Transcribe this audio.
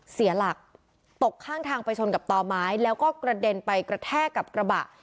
เสียหลักตกข้างทางไปชนกับต่อไม้แล้วก็กระเด็นไปกระแทกกับกระบะ